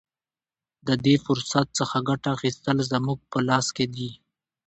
د دې فرصت څخه ګټه اخیستل زموږ په لاس کې دي.